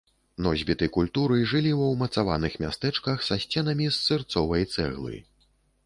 Носьбіты культуры жылі ва ўмацаваных мястэчках са сценамі з сырцовай цэглы.